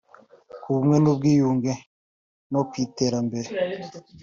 ku bumwe n’ubwiyunge no ku iterambere